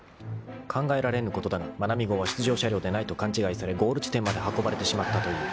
［考えられぬことだがまなみ号は出場車両でないと勘違いされゴール地点まで運ばれてしまったという］